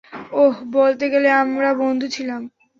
ওহ, বলতে গেলে আমরা বন্ধু ছিলাম।